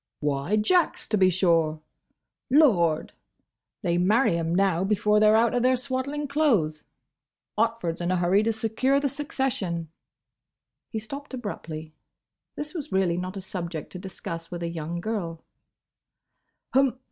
"Why, Jack's, to be sure!—Lord!—they marry 'em now before they 're out of their swaddling clothes. Otford's in a hurry to secure the succession—" He stopped abruptly. This was really not a subject to discuss with a young girl.